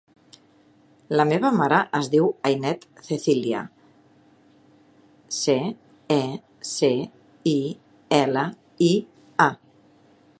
La meva mare es diu Ainet Cecilia: ce, e, ce, i, ela, i, a.